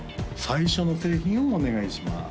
最初の製品をお願いします